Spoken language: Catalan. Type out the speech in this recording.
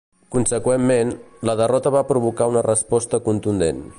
Conseqüentment, la derrota va provocar una resposta contundent.